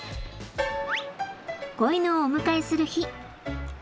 子犬をお迎えする日。